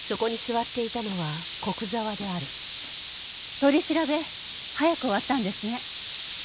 取り調べ早く終わったんですね。